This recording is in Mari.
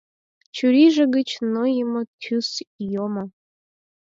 Чурийже гыч нойымо тӱс йомо.